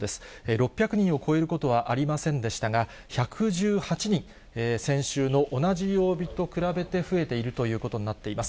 ６００人を超えることはありませんでしたが、１１８人、先週の同じ曜日と比べて増えているということになっています。